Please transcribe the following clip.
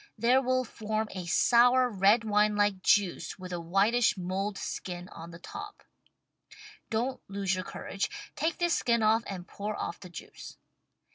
There will form a sour red wine like juice with a whitish mold skin on the top. Don't lose your courage, take this skin off and pour off the juice.